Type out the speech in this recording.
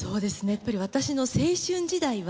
やっぱり私の青春時代は。